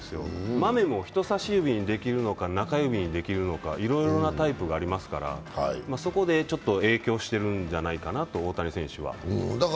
まめも人さし指にできるのか中指にできるのか、いろいろなタイプがありますから、そこでちょっと影響しているのかなと、大谷選手は。